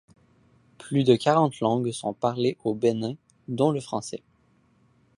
Plus de quarante langues sont parlées au Bénin dont le français.